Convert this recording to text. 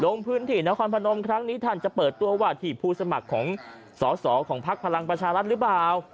ลงพื้นที่นครพนมครั้งนี้ท่านจะเปิดตัวว่าที่ผู้สมัครของสอสอของพักพลังประชารัฐหรือเปล่า